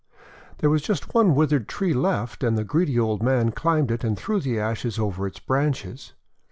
There was just one withered tree left, and the greedy old man climbed it, and threw the ashes over its branches.